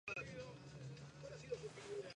La zona de Murray fue conocida como South Cottonwood.